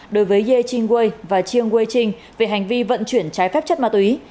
đối với ye ching wei và chiang wei ching về hành vi vận chuyển trái phép chất ma túy